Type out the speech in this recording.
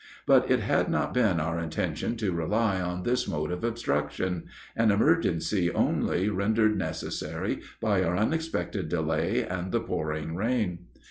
But it had not been our intention to rely on this mode of obstruction an emergency only rendered necessary by our unexpected delay and the pouring rain.